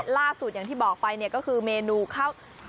ล่าสุดอย่างที่บอกไปก็คือเมนูข้าว